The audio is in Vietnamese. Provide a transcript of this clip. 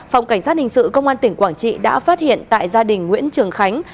phòng cảnh sát hình sự công an tỉnh quảng trị đã phát hiện tại gia đình nguyễn trường khánh